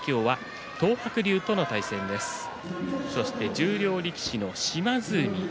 十両力士の島津海。